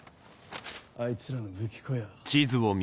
あいつらの武器庫や。